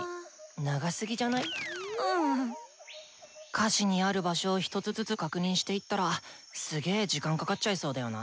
歌詞にある場所を一つずつ確認していったらすげ時間かかっちゃいそうだよな。